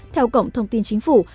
theo cổng thông tin chính phủ